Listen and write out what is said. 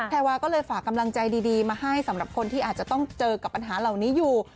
แรวาก็เลยฝากกำลังใจดีมาให้สำหรับคนที่อาจจะต้องเจอกับปัญหาเหล่านี้อยู่